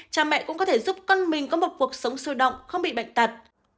cha mẹ cũng có thể giúp con mình có một cuộc sống sôi động không bị bệnh tật